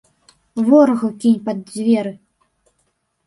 Ворагу кінь пад дзверы!